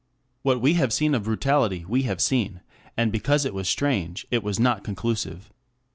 What we have seen of brutality, we have seen, and because it was strange, it was not conclusive.